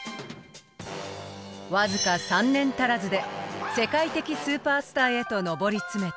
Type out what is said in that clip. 僅か３年足らずで世界的スーパースターへと上り詰めた。